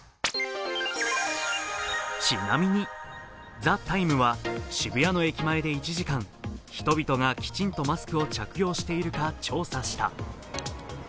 「ＴＨＥＴＩＭＥ，」は渋谷の駅前で１時間人々がきちんとマスクを着けているか調査した。